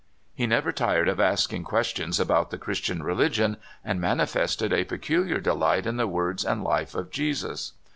He never tired of asking questions about the Christian religion, and manifested a peculiar delight in the words and life of Jesus.